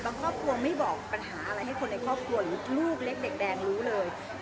ครอบครัวไม่บอกปัญหาอะไรให้คนในครอบครัวหรือลูกเล็กเด็กแดงรู้เลย